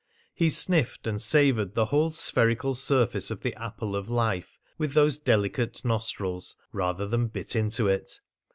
He sniffed and savoured the whole spherical surface of the apple of life with those delicate nostrils rather than bit into it.